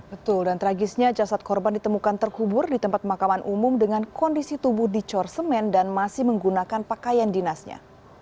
betul dan tragisnya jasad korban ditemukan terkubur di tempat pemakaman umum dengan kondisi tubuh dicor semen dan masih menggunakan pakaian dinasnya